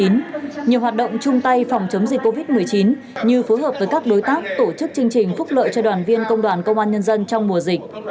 nhiều hoạt động chung tay phòng chống dịch covid một mươi chín như phối hợp với các đối tác tổ chức chương trình phúc lợi cho đoàn viên công đoàn công an nhân dân trong mùa dịch